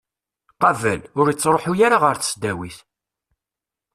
Qabel, ur ittruḥu ara ɣer tesdawit